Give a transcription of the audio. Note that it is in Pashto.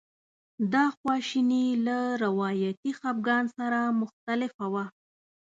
دا خواشیني له روایتي خپګان سره مختلفه وه.